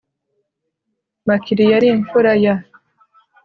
makiri yari imfura ya